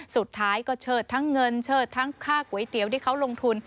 สุดท้ายก็เชิดทั้งเงินเชิดทั้งค่าก๋วยเตี๋ยวที่เขาลงทุน